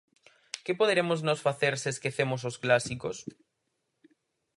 ¿Que poderemos nós facer se esquecemos os clásicos?